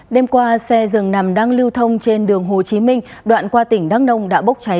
đêm qua xe dường nằm đang lưu thông trên đường hồ chí minh đoạn qua tỉnh đăng đông đã bốc trái